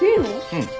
うん。